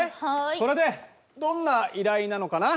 それでどんな依頼なのかな？